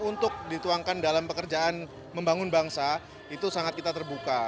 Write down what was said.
untuk dituangkan dalam pekerjaan membangun bangsa itu sangat kita terbuka